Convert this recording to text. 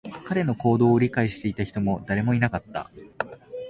彼の行動を理解していた人も誰もいなかった